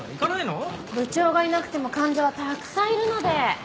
部長がいなくても患者はたくさんいるので。